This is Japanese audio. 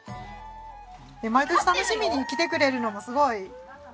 毎年楽しみに来てくれるのもすごい嬉しいです。